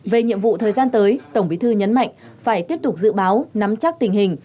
về nhiệm vụ thời gian tới tổng bí thư nhấn mạnh phải tiếp tục dự báo nắm chắc tình hình